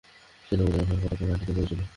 সেনাপতির অভাবে পতাকা মাটিতেই পড়েছিল।